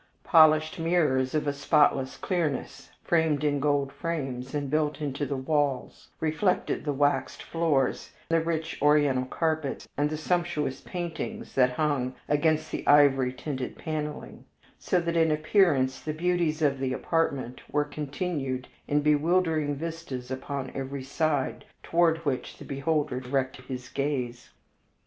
Polished mirrors of a spotless clearness, framed in golden frames and built into the walls, reflected the waxed floors, the rich Oriental carpets, and the sumptuous paintings that hung against the ivory tinted paneling, so that in appearance the beauties of the apartment were continued in bewildering vistas upon every side toward which the beholder directed his gaze.